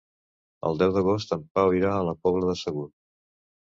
El deu d'agost en Pau irà a la Pobla de Segur.